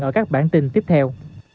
ở các bản tin tiếp theo